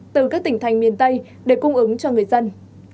từ các tỉnh thành miền tây để cung ứng cho người dân